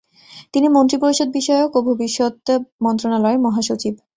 তিনি মন্ত্রিপরিষদ বিষয়ক ও ভবিষ্যত মন্ত্রণালয়ের মহাসচিব।